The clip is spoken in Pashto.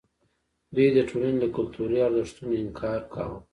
دوی د ټولنې له کلتوري ارزښتونو انکار کاوه.